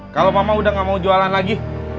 kalau mama udah gak mau jualan lagi